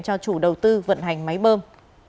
cho chủ đầu tư vận hành máy bơm